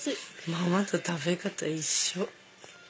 ママと食べ方一緒。